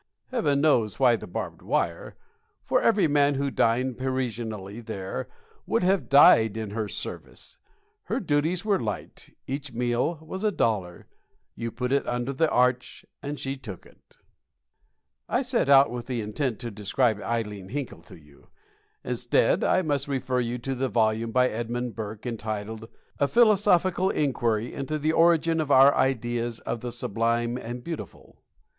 Heaven knows why the barbed wire; for every man who dined Parisianly there would have died in her service. Her duties were light; each meal was a dollar; you put it under the arch, and she took it. I set out with the intent to describe Ileen Hinkle to you. Instead, I must refer you to the volume by Edmund Burke entitled: A Philosophical Inquiry into the Origin of Our Ideas of the Sublime and Beautiful.